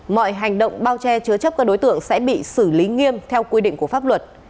mọi hành động bao che chứa chấp các đối tượng sẽ bị xử lý nghiêm theo quy định của pháp luật